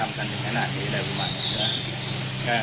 ละต่างคนคะอยู่ภพติก